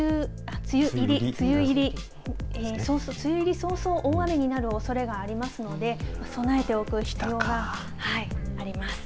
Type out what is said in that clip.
そうすると、梅雨入り早々、大雨になるおそれがありますので、備えておく必要があります。